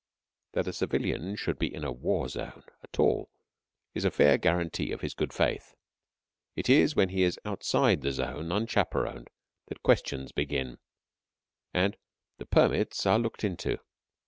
....... That a civilian should be in the war zone at all is a fair guarantee of his good faith. It is when he is outside the zone unchaperoned that questions begin, and the permits are looked into.